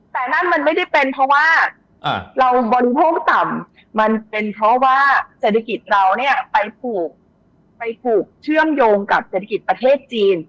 แต่นั่นมันไม่ได้เป็นเพราะว่าเราบริโภคต่ำมันเป็นเพราะว่าเศรษฐกิจเราเนี่ยไปผูกเชื่อมโยงกับเศรษฐกิจประเทศจีน